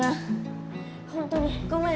本当にごめん！